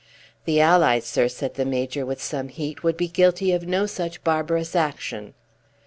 "The Allies, sir," said the Major, with some heat, "would be guilty of no such barbarous action."